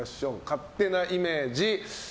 勝手なイメージ。